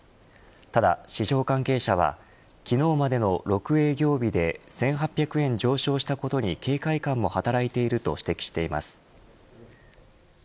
ただ、市場関係者は昨日までの６営業日で１８００円上昇したことに警戒感も働いていると指摘しています。